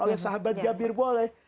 oleh sahabat jabir boleh